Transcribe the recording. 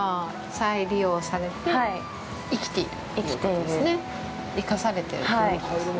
再利用されて生きているということですね。